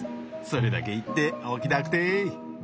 それだけ言っておきたくて。